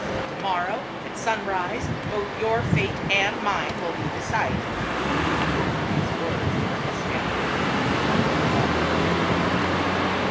To morrow at sunrise, both your fate and mine will be decided." With these words she stamped her feet and left the hall.